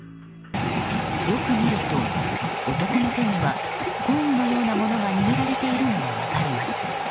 よく見ると、男の手には工具のようなものが握られているのが分かります。